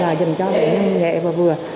là dành cho bệnh nhân nghệ và vừa